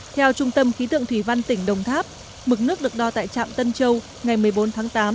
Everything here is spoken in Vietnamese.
theo trung tâm khí tượng thủy văn tỉnh đồng tháp mực nước được đo tại trạm tân châu ngày một mươi bốn tháng tám